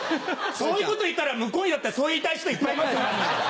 そういうこと言ったら向こうにだってそう言いたい人いっぱいいます。